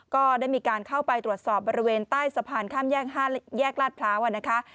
ก็ได้มีการเข้าไปตรวจสอบบริเวณใต้สะพานข้ามแยกลาดพร้าวนะคะ